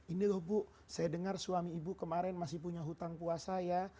ini loh bu saya dengar suami ibu kemarin masih punya hutang puasa ya